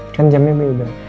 kan jamnya beda